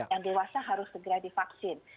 yang dewasa harus segera divaksin